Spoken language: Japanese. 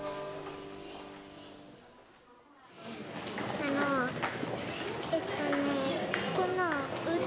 あのえっと